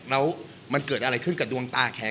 แล้วมันเกิดอะไรขึ้นกับดวงตาแขน